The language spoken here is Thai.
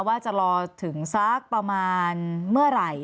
ว่าจะรอถึงสักประมาณเมื่อไหร่